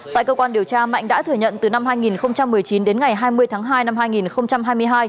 tại cơ quan điều tra mạnh đã thừa nhận từ năm hai nghìn một mươi chín đến ngày hai mươi tháng hai năm hai nghìn hai mươi hai